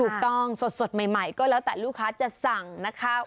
สดใหม่ก็แล้วแต่ลูกค้าจะสั่งนะคะ